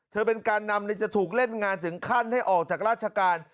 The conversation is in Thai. เธอเป็นการนำจะถูกเล่นงานถึงขั้นให้ออกจากราชการ